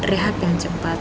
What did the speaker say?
rehat yang cepat